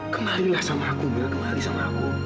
kemarilah sama aku mil kemarilah sama aku